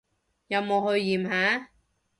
有冇去驗下？